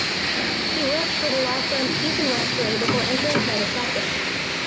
He worked for the law firm Keith and Westbury before entering private practise.